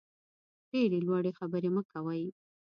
ډېرې لوړې خبرې مه کوئ.